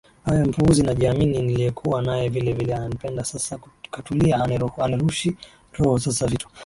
awe mpuuzi najiamini niliyekuwa naye vile vile ananipenda sasa katulia Hanirushi roho Sasa vitu